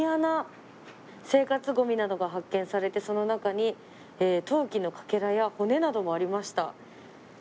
「生活ゴミなどが発見されてその中に陶器のかけらや骨などもありました」。